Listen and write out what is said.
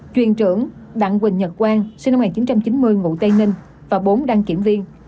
chuyên trưởng đặng quỳnh nhật quang sinh năm một nghìn chín trăm chín mươi ngụ tây ninh và bốn đăng kiểm viên